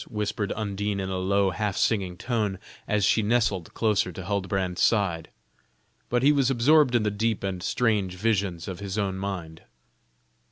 whispered Undine, in a low, half singing tone, as she nestled closer to Huldbrand's side. But he was absorbed in the deep and strange visions of his own mind.